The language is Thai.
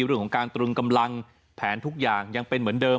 เรื่องของการตรึงกำลังแผนทุกอย่างยังเป็นเหมือนเดิม